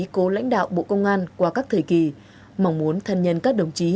cố lãnh đạo bộ công an qua các thời kỳ mong muốn thân nhân các đồng chí